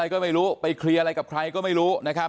ก็ไม่รู้ไปเคลียร์อะไรกับใครก็ไม่รู้นะครับ